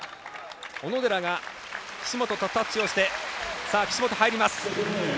小野寺が岸本とタッチをして岸本、入ります。